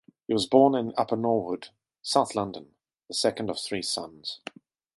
He was born in Upper Norwood, South London, the second of three sons.